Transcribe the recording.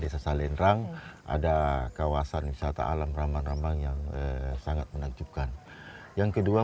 desa salendrang ada kawasan wisata alam rambang rambang yang sangat menakjubkan yang kedua